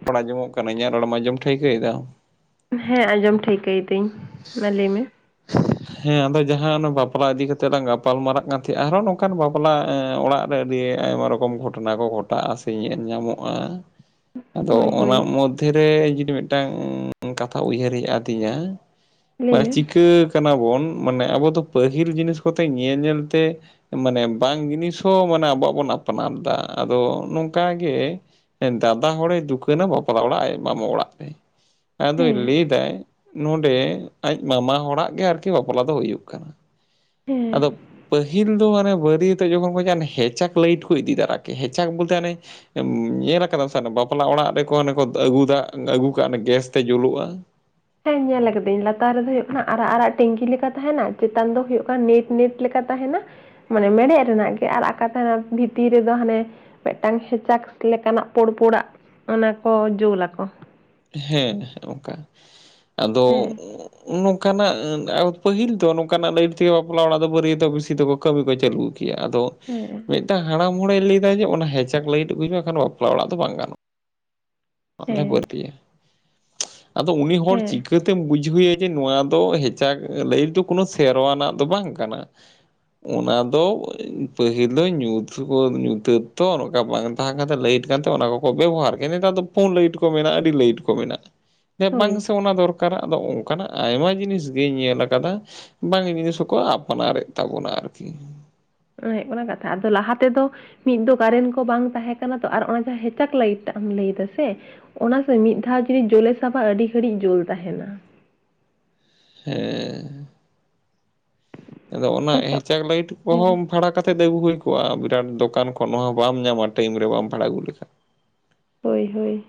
[unintelligible] ᱟᱸᱡᱚᱢᱚᱜ ᱠᱟᱱᱟ᱾ ᱤᱧᱟᱹᱜ ᱨᱚᱲᱮᱢ ᱟᱸᱡᱚᱢ ᱴᱷᱟᱹᱭᱠᱟᱹᱭ ᱫᱟ᱾ ᱦᱮᱸ ᱟᱸᱡᱚᱢ ᱴᱷᱟᱹᱭᱠᱟᱹᱭ ᱫᱟᱹᱧ, ᱢᱟ ᱞᱮᱭ ᱢᱮ? ᱦᱮᱸ ᱟᱫᱚ ᱡᱟᱦᱟᱸ ᱚᱱᱟ ᱵᱟᱯᱞᱟ ᱤᱫᱤ ᱠᱟᱛᱮᱜ ᱞᱟᱝ ᱜᱟᱯᱟᱞ ᱢᱟᱨᱟᱜ ᱠᱟᱱ ᱛᱟᱦᱮᱸᱜᱼᱟ ᱾ ᱟᱨᱦᱚᱸ ᱱᱚᱝᱠᱟᱱ ᱵᱟᱯᱞᱟ ᱮᱸ ᱚᱲᱟᱜᱼᱼ ᱟᱹᱰᱤ ᱟᱭᱢᱟ ᱨᱚᱠᱚᱢ ᱜᱷᱚᱴᱚᱱᱟ ᱠᱚ ᱜᱷᱚᱴᱟᱜᱼᱟ ᱥᱮ ᱧᱮᱞ ᱧᱟᱢᱚᱜᱼᱟ᱾ ᱟᱫᱚ ᱦᱳᱭ ᱚᱱᱟ ᱦᱳᱭ ᱢᱚᱫᱽᱫᱷᱮ ᱨᱮ ᱡᱩᱫᱤ ᱢᱤᱫᱴᱟᱝ ᱠᱟᱛᱷᱟ ᱩᱭᱦᱟᱹᱨ ᱦᱮᱡ ᱟᱹᱫᱤᱧᱟ᱾ ᱞᱟᱹᱭ ᱢᱟᱱᱮ ᱢᱮ ᱪᱤᱠᱟᱹ ᱠᱟᱱᱟ ᱵᱚᱱ᱾ ᱢᱟᱱᱮ ᱟᱵᱚ ᱫᱚ ᱯᱟᱹᱦᱤᱞ ᱡᱤᱱᱤᱥ ᱠᱚᱛᱮ ᱧᱮᱞ ᱧᱮᱞᱛᱮᱼᱼ ᱢᱟᱱᱮ ᱵᱟᱝ ᱡᱤᱱᱤᱥ ᱦᱚᱸ ᱢᱟᱱᱮ ᱟᱵᱚᱣᱟᱜ ᱵᱚᱱ ᱟᱯᱱᱟᱨᱫᱟ, ᱟᱫᱚ ᱱᱚᱝᱠᱟᱜᱮᱼᱼ ᱫᱟᱫᱟ ᱦᱚᱲᱮ ᱫᱩᱠᱟᱹᱱᱟ ᱵᱟᱯᱞᱟ ᱚᱲᱟᱜ ᱟᱡ ᱢᱟᱢᱚ ᱚᱲᱟᱜ ᱛᱮ᱾ ᱦᱮᱸ ᱟᱫᱚᱭ ᱞᱮᱭᱫᱟᱭ ᱱᱚᱸᱰᱮ ᱟᱡ ᱢᱟᱢᱟ ᱦᱚᱲᱟᱜ ᱜᱮ ᱟᱨᱠᱤ ᱵᱟᱯᱞᱟ ᱫᱚ ᱦᱩᱭᱩᱜ ᱠᱟᱱᱟ᱾ ᱦᱮᱸ ᱟᱫᱚ ᱯᱟᱹᱦᱤᱞ ᱫᱚ ᱢᱟᱱᱮ ᱵᱟᱹᱨᱤᱭᱟᱹᱛᱼᱼ ᱛᱮ ᱡᱚᱠᱷᱚᱱ ᱠᱚ [unintelligible] ᱚᱱᱮ ᱦᱮᱪᱟᱜ ᱞᱟᱹᱭᱤᱴ ᱠᱚ ᱤᱫᱤ ᱫᱟᱨᱟ ᱠᱮ ᱦᱮᱪᱟᱠ ᱵᱚᱞᱛᱮ ᱟᱱᱮᱼᱼ ᱧᱮᱞ ᱠᱟᱫᱟᱢ ᱥᱮ ᱦᱟᱱᱮ ᱵᱟᱯᱞᱟ ᱚᱲᱟᱜ ᱨᱮᱠᱚ ᱦᱟᱱᱮ ᱠᱚ ᱟᱹᱜᱩ ᱫᱟᱜ, ᱟᱹᱜᱩ ᱠᱟᱜ ᱚᱱᱮ ᱜᱮᱹᱥ ᱛᱮ ᱡᱳᱞᱳᱜᱼᱟ᱾ ᱦᱮᱸ ᱧᱮᱞ ᱠᱟᱹᱫᱟᱹᱧ᱾ ᱞᱟᱛᱟᱨ ᱨᱮᱫᱚ ᱦᱳᱭᱳᱜ ᱠᱟᱱᱟ ᱟᱨᱟᱜ ᱟᱨᱟᱜ ᱴᱮᱝᱠᱤ ᱞᱮᱠᱟ ᱛᱟᱦᱮᱱᱟ ᱾ᱪᱮᱛᱟᱱ ᱫᱚ ᱦᱳᱭᱳᱜ ᱠᱟᱱᱟ ᱱᱮᱴ ᱱᱮᱴ ᱞᱮᱠᱟ ᱛᱟᱦᱮᱱᱟ᱾ ᱢᱟᱱᱮ ᱢᱮᱲᱦᱮᱜ ᱨᱮᱱᱟᱜ ᱜᱮ ᱟᱨ ᱟᱠᱟ ᱛᱟᱦᱮᱱᱟ ᱵᱷᱤᱛᱤᱨ ᱨᱮᱫᱚ ᱦᱟᱱᱮᱼᱼ ᱢᱮᱜᱴᱟᱝ ᱦᱮᱪᱟᱠ ᱞᱮᱠᱟᱱᱟᱜ ᱯᱳᱲ ᱯᱳᱲᱟᱜ ᱚᱱᱟ ᱠᱚ ᱡᱳᱞ ᱟᱠᱚ᱾ ᱦᱮᱸ, ᱦᱮᱸ ᱚᱝᱠᱟ ᱾ ᱟᱫᱚ ᱦᱮᱸ [unintelligible] ᱚᱝᱠᱟᱱᱟ, ᱯᱟᱹᱦᱤᱞ ᱫᱚ ᱱᱚᱝᱠᱟᱱᱟᱜ ᱞᱟᱹᱭᱤᱴ ᱛᱮᱜᱮ ᱵᱟᱯᱞᱟ ᱚᱲᱟᱜ ᱫᱚ ᱵᱟᱹᱨᱭᱟᱹᱛᱚᱜ ᱵᱤᱥᱤ ᱛᱮᱠᱚ ᱠᱟᱹᱢᱤ ᱠᱚ ᱪᱟᱹᱞᱩ ᱠᱮᱭᱟ᱾ ᱟᱫᱚᱼᱼ ᱦᱮᱸ ᱢᱤᱜᱴᱟᱝ ᱦᱟᱲᱟᱢ ᱦᱚᱲᱮ ᱞᱟᱹᱭᱫᱟ ᱡᱮ, ᱚᱱᱟ ᱦᱮᱪᱟᱠ ᱞᱟᱹᱭᱤᱴ ᱟᱜᱩᱭ ᱢᱮ ᱵᱟᱠᱷᱟᱱ ᱵᱟᱯᱞᱟ ᱚᱲᱟᱜ ᱫᱚ ᱵᱟᱝ ᱜᱟᱱᱚᱜ᱾ ᱵᱟᱝᱞᱮ ᱦᱮᱸ ᱵᱟᱹᱲᱛᱤᱭᱟ, ᱟᱫᱚ ᱩᱱᱤ ᱦᱚᱲ ᱦᱮᱸ ᱪᱤᱠᱟ ᱪᱤᱠᱟᱹᱛᱮᱢ ᱵᱩᱡᱷᱟᱹᱣᱮᱭᱟ, ᱡᱮ ᱱᱚᱣᱟ ᱫᱚ ᱦᱮᱪᱟᱜ ᱞᱟᱹᱭᱤᱴ ᱫᱚ, ᱠᱳᱱᱳ ᱥᱮᱨᱣᱟᱱᱟᱜ ᱫᱚ ᱵᱟᱝ ᱠᱟᱱᱟ᱾ ᱚᱱᱟ ᱫᱚ ᱯᱟᱹᱦᱤᱞ ᱫᱚ, ᱧᱩᱛᱟᱛ ᱧᱩᱛᱟᱹᱛ ᱛᱚᱨ ᱚᱝᱠᱟ ᱵᱟᱝ, ᱛᱟᱦᱮᱸ ᱠᱟᱱᱛᱮ ᱞᱟᱹᱭᱤᱴ ᱠᱟᱛᱮᱜ ᱚᱱᱟ ᱠᱚᱠᱚ ᱵᱮᱵᱚᱦᱟᱨ ᱜᱮᱭᱟ, ᱱᱮᱛᱟᱨ ᱫᱚ ᱯᱳᱱ ᱞᱟᱹᱭᱤᱴ ᱠᱚ ᱢᱮᱱᱟᱜᱼᱟ ᱟᱹᱰᱤ ᱞᱟᱹᱭᱤᱴ᱾ ᱠᱚ ᱢᱮᱱᱟᱜᱼᱟ, ᱦᱳᱭ ᱵᱟᱝ ᱥᱮ ᱚᱱᱟ ᱫᱚᱨᱠᱟᱨᱟ ᱟᱫᱚ, ᱚᱝᱠᱟᱱᱟᱜ ᱟᱭᱢᱟ ᱡᱤᱱᱤᱥ ᱜᱤᱧ ᱧᱮᱞ ᱠᱟᱫᱟ᱾ ᱵᱟᱝ ᱡᱤᱱᱤᱥ ᱦᱚᱸᱠᱚ ᱟᱯᱱᱟᱨᱮᱫ ᱛᱟᱵᱚᱱᱟ ᱟᱨᱠᱤ᱾ ᱚᱱᱟ ᱦᱳᱭᱳᱜ ᱠᱟᱱᱟ ᱠᱟᱛᱷᱟ, ᱟᱫᱚ ᱞᱟᱦᱟ ᱛᱮᱫᱚ ᱢᱤᱫ ᱫᱚ ᱠᱟᱨᱮᱱ ᱠᱚ ᱵᱟᱝ ᱛᱟᱦᱮᱸ ᱠᱟᱱᱟ ᱛᱚ, ᱟᱨ ᱚᱱᱟ ᱡᱟᱦᱟᱸ ᱦᱮᱪᱟᱠ ᱞᱟᱭᱤᱴ ᱴᱟᱜ ᱮᱢ ᱞᱮᱭ ᱫᱟᱥᱮ ᱚᱱᱟ ᱥᱮ ᱢᱤᱫ ᱫᱷᱟᱣ ᱡᱩᱫᱤ ᱡᱳᱞᱮ ᱥᱟᱵᱟ, ᱟᱹᱰᱤ ᱜᱷᱟᱹᱲᱤᱡ ᱡᱳᱞ ᱛᱟᱦᱮᱱᱟ᱾ ᱦᱮᱸ, ᱟᱫᱚ ᱚᱱᱟ ᱟᱪᱪᱷᱟ ᱦᱮᱪᱟᱠ ᱞᱟᱭᱤᱴ ᱠᱚᱦᱚᱸᱢ ᱵᱷᱟᱲᱟ ᱠᱟᱛᱮᱫ ᱟᱹᱜᱩ ᱦᱩᱭ ᱠᱚᱜᱼᱟ, ᱵᱤᱨᱟᱴ ᱫᱚᱠᱟᱱ ᱠᱷᱚᱱ ᱱᱚᱣᱟ ᱵᱟᱢ ᱧᱟᱢᱟ, ᱴᱟᱭᱤᱢ ᱨᱮ ᱵᱟᱢ ᱵᱷᱟᱲᱟ ᱟᱹᱜᱩ ᱞᱮᱠᱷᱟᱱ᱾ ᱦᱳᱭ, ᱦᱳᱭ᱾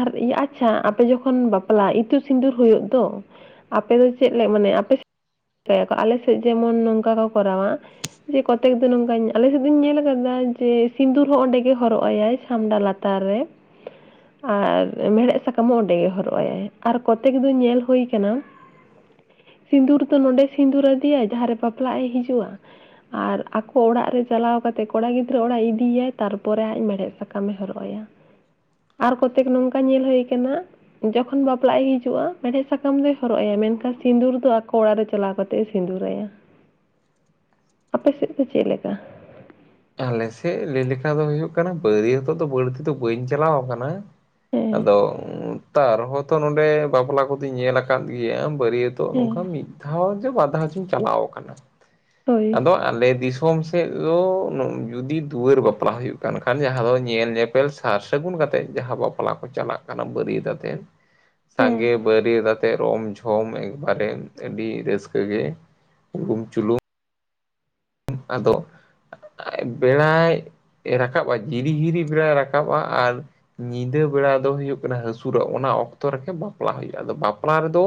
ᱟᱨ ᱤᱭᱟᱹ ᱟᱪᱪᱷᱟ ᱟᱯᱮ ᱡᱚᱠᱷᱚᱱ, ᱵᱟᱯᱞᱟ ᱤᱛᱩᱜ ᱥᱤᱸᱫᱩᱨ ᱦᱳᱭᱳᱜ ᱫᱚ᱾ ᱟᱯᱮ ᱫᱚ ᱪᱮᱜ ᱞᱮ, ᱢᱟᱱᱮ ᱟᱯᱮ ᱥᱮᱜ ᱪᱮᱜᱠᱟᱭᱟᱠᱚ, ᱟᱞᱮ ᱥᱮᱜ ᱡᱮᱢᱚᱱ ᱱᱚᱝᱠᱟ ᱠᱚ ᱠᱚᱨᱟᱣᱟ᱾ ᱡᱮ ᱠᱚᱛᱮᱠ ᱫᱚ ᱱᱚᱝᱠᱟᱧ, ᱟᱞᱮᱥᱮᱫ ᱫᱩᱧ ᱧᱮᱞ ᱠᱟᱫᱟ, ᱡᱮ ᱥᱤᱸᱫᱩᱨ ᱦᱚᱸ ᱚᱸᱰᱮ ᱜᱮ ᱦᱚᱨᱚᱜ ᱟᱭᱟᱭ᱾ ᱪᱷᱟᱢᱰᱟ ᱞᱟᱛᱟᱨ ᱨᱮ᱾ ᱟᱨ ᱢᱮᱲᱦᱮᱜ ᱥᱟᱠᱟᱢ ᱦᱚᱸ ᱚᱸᱰᱮ ᱜᱮ ᱦᱚᱨᱚᱜ ᱟᱭᱟᱭ, ᱟᱨ ᱠᱚᱛᱮᱠ ᱫᱚ ᱧᱮᱞ ᱦᱳᱭ ᱠᱟᱱᱟ᱾ [inaudible] [inaudible] ᱥᱤᱸᱫᱩᱨ ᱫᱚ ᱱᱚᱰᱮ ᱥᱤᱸᱫᱩᱨ ᱟᱫᱮᱭᱟ, ᱡᱟᱦᱟᱸᱨᱮ ᱵᱟᱯᱞᱟᱜ ᱮ ᱦᱤᱡᱩᱜᱼᱟ᱾ ᱟᱨ ᱟᱠᱚ ᱚᱲᱟᱜ ᱨᱮ ᱪᱟᱞᱟᱣ ᱠᱟᱛᱮᱫ, ᱠᱚᱲᱟ ᱜᱤᱫᱽᱨᱟᱹ ᱚᱲᱟᱜ ᱤᱫᱤᱭᱟᱭ, ᱛᱟᱨᱯᱚᱨᱮ ᱟᱡ ᱢᱮᱲᱦᱮᱫ ᱥᱟᱠᱟ ᱥᱟᱠᱟᱢ ᱮ ᱦᱚᱨᱚᱜ ᱟᱭᱟ, ᱟᱨ ᱠᱚᱛᱮᱠ ᱱᱚᱝᱠᱟ ᱧᱮᱞ ᱦᱳᱭ ᱠᱟᱱᱟ ᱡᱚᱠᱷᱚᱱ ᱵᱟᱯᱞᱟᱜ ᱮ ᱦᱤᱡᱩᱜᱼᱟ, ᱢᱮᱲᱦᱮᱫ ᱥᱟᱠᱟᱢ ᱫᱚᱭ ᱦᱚᱨᱚᱜᱭᱟ, ᱢᱮᱱᱠᱷᱟᱱ ᱥᱤᱸᱫᱩᱨ ᱫᱚ ᱟᱠᱚ ᱚᱲᱟᱜ ᱨᱮ ᱪᱟᱞᱟᱣ ᱠᱟᱛᱮ᱾ ᱛᱮ ᱥᱤᱸᱫᱩᱨ ᱟᱭᱟ᱾ [unintelligible] [inaudible] ᱟᱯᱮ ᱥᱮᱫ ᱫᱚ ᱪᱮᱫ ᱞᱮᱠᱟ? ᱟᱞᱮᱥᱮᱫ ᱞᱟᱹᱭ ᱞᱮᱠᱷᱟ ᱫᱚ ᱦᱳᱭᱳᱜ ᱠᱟᱱᱟ, ᱵᱟᱹᱨᱭᱚᱛᱚᱜ ᱫᱚ ᱵᱟᱹᱲᱛᱤ ᱫᱚ ᱵᱟᱹᱧ ᱪᱟᱞᱟᱣ ᱠᱟᱱᱟ᱾ ᱦᱮᱸ ᱟᱫᱚ ᱛᱟᱣ ᱨᱚᱦᱚᱸᱛᱚ ᱱᱚᱰᱮ, ᱵᱟᱯᱞᱟ ᱠᱚᱫᱚᱧ ᱧᱮᱞ ᱟᱠᱟᱫ ᱜᱮᱭᱟ ᱵᱟᱹᱨᱭᱟᱹᱛ ᱛᱚ ᱦᱮᱸ ᱱᱚᱝᱠᱟ ᱢᱤᱫ ᱫᱷᱟᱣ ᱡᱮ, ᱵᱟᱨ ᱫᱷᱟᱣ ᱪᱤᱧ ᱪᱟᱞᱟᱣ ᱠᱟᱱᱟ ᱦᱳᱭ ᱟᱫᱚ ᱟᱞᱮ ᱫᱤᱥᱚᱢ ᱥᱮᱫ ᱫᱚ ᱡᱩᱫᱤ ᱫᱩᱣᱟᱹᱨ ᱵᱟᱯᱞᱟ ᱦᱳᱭᱩᱜ ᱠᱟᱱ ᱠᱷᱟᱱ, ᱡᱟᱦᱟᱸ ᱫᱚ ᱧᱮᱞ ᱧᱮᱯᱮᱞ ᱥᱟᱨ ᱥᱟᱹᱜᱩᱱ ᱠᱟᱛᱮ ᱡᱟᱦᱟᱸ ᱵᱟᱯᱞᱟ, ᱠᱚ ᱪᱟᱞᱟᱜ ᱠᱟᱱᱟ ᱵᱟᱨᱤᱭᱟᱛ ᱟᱛᱮ, ᱦᱮᱸ ᱥᱟᱸᱜᱮ ᱵᱟᱨᱤᱭᱟᱹᱛ ᱟᱛᱮ ᱨᱚᱢ ᱡᱷᱚᱢ ᱮᱠᱵᱟᱨᱮ, ᱟᱹᱰᱤ ᱨᱟᱹᱥᱠᱟᱹ ᱜᱮ ᱦᱩᱞᱩᱢ ᱪᱩᱞᱩᱝ ᱟᱫᱚ ᱵᱮᱲᱟᱭ ᱨᱟᱠᱟᱵᱟ, ᱡᱤᱨᱤ ᱦᱤᱨᱤ ᱵᱮᱲᱟᱭ ᱨᱟᱠᱟᱵᱟ ᱟᱨ ᱧᱤᱫᱟᱹ ᱵᱮᱲᱟ ᱫᱚ ᱦᱳᱭᱩᱜ ᱠᱟᱱᱟ, ᱦᱟᱹᱥᱩᱨᱚᱜ ᱚᱱᱟ ᱚᱠᱛᱚ ᱨᱮᱜᱮ ᱵᱟᱯᱞᱟ ᱦᱳᱭᱳᱜᱼᱟ, ᱟᱫᱚ ᱵᱟᱯᱞᱟ ᱨᱮᱫᱚ